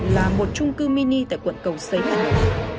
là một trung cư mini tại quận cầu giấy hà nội